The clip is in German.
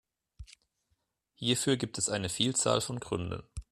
Hierfür gibt es eine Vielzahl von Gründen.